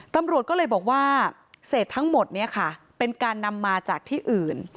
ตำรวจก็เลยบอกว่าเศษทั้งหมดเนี่ยค่ะเป็นการนำมาจากที่อื่น